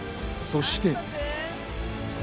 そして。